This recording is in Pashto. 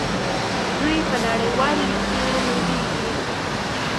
دوی په نړیوال لیګ کې لوبېږي.